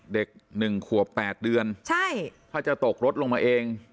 เด็ก๑ขวบ๘เดือนใช่ถ้าจะตกรถลงมาเอง